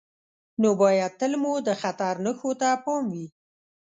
نو باید تل مو د خطر نښو ته پام وي.